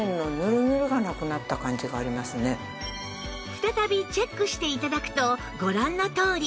再びチェックして頂くとご覧のとおり